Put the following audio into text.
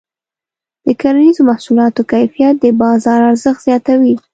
د کرنیزو محصولاتو کیفیت د بازار ارزښت زیاتوي.